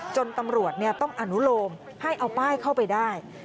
จนตำรวจต้องอนุโลมให้เอาป้ายเข้าไปได้